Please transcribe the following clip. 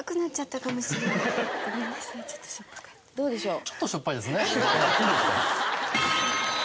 どうでしょう？